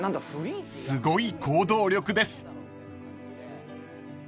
［すごい行動力です］